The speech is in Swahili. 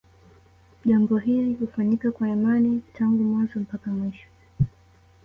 Jambo hili hufanyika kwa imani tangu mwanzo mpaka mwisho